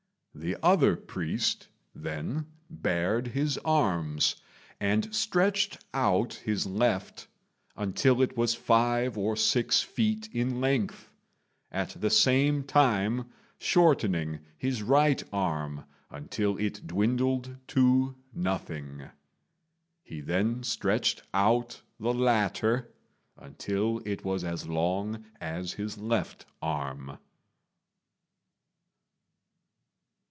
The other priest then bared his arms, and stretched out his left until it was five or six feet in length, at the same time shortening his right arm until it dwindled to nothing. He then stretched out the latter until it was as long as his left arm.